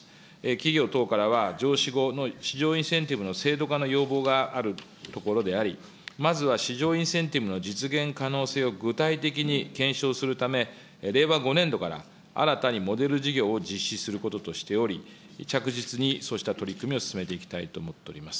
企業等からは、上市後の治療インセンティブの制度化の要望があるところであり、まずは市場インセンティブの実現可能性を具体的に検証するため、令和５年度から新たにモデル事業を実施することとしており、着実にそうした取り組みを進めていきたいと思っております。